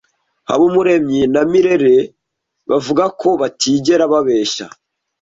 Habumuremyi na Mirelle bavuga ko batigera babeshya.